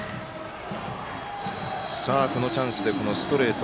このチャンスでストレート